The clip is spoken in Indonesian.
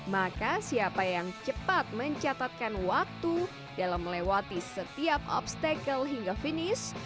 maka siapa yang cepat mencatatkan waktu dalam melewati setiap obstacle hingga finish